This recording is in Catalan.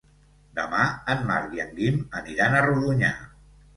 Demà en Marc i en Guim aniran a Rodonyà.